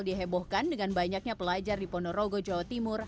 dihebohkan dengan banyaknya pelajar di ponorogo jawa timur